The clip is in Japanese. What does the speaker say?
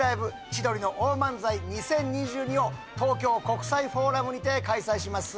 「千鳥の大漫才２０２２」を東京国際フォーラムにて開催します